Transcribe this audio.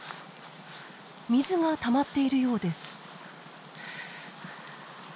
水がたまっているようです。